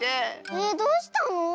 えっどうしたの？